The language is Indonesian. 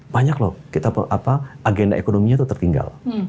banyak loh agenda ekonominya itu tertinggal